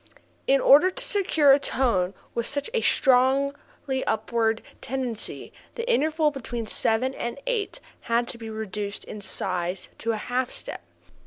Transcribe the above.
In order to secure a tone with such a strongly upward tendency the interval between seven and eight had to be reduced in size to a half step.